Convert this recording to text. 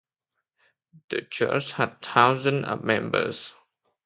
The church has thousands of members.